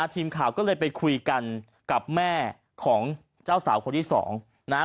ทีมข่าวก็เลยไปคุยกันกับแม่ของเจ้าสาวคนที่สองนะฮะ